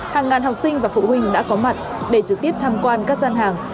hàng ngàn học sinh và phụ huynh đã có mặt để trực tiếp tham quan các gian hàng